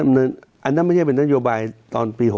อันนั้นไม่ใช่เป็นนโยบายตอนปี๖๐